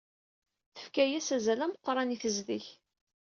Tefka-as azal ameqran i tezdeg.